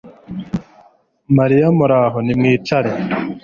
Mariya Muraho Nimwicare